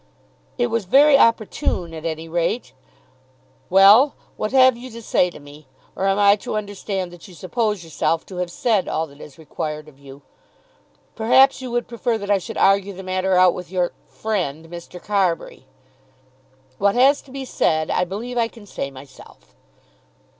"It was very opportune at any rate. Well; what have you to say to me? Or am I to understand that you suppose yourself to have said all that is required of you? Perhaps you would prefer that I should argue the matter out with your friend, Mr. Carbury." "What has to be said, I believe I can say myself."